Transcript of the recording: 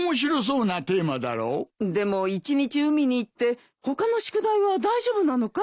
でも１日海に行って他の宿題は大丈夫なのかい？